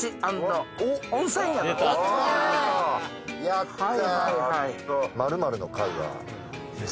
やった